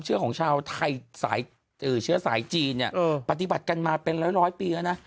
หรือเชื้อสายจีนน่ะปฏิบัติกันมาเป็น๑๐๐ปีเหอะน่ะ